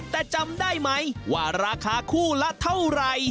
แต่จำได้ไหมว่าราคาคู่ละเท่าไหร่